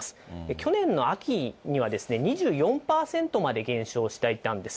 去年の秋にはですね、２４％まで減少していたんです。